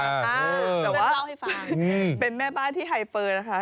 แต่ว่าเป็นแม่บ้านที่ไฮเฟอร์นะคะ